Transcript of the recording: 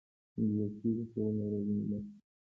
انګلیسي د ښوونې او روزنې برخه ده